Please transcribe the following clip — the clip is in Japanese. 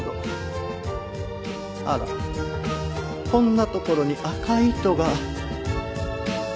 あらこんな所に赤い糸が。